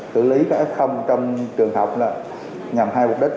xử lý f trong trường học nhằm hai mục đích